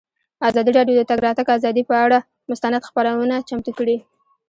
ازادي راډیو د د تګ راتګ ازادي پر اړه مستند خپرونه چمتو کړې.